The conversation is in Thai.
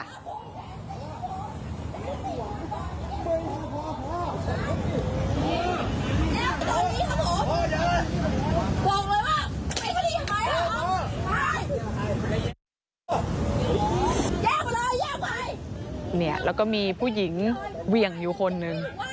เนี่ยแล้วก็มีผู้หญิงเหวี่ยงอยู่คนหนึ่ง